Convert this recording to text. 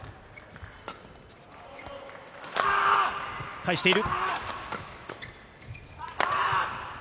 返している。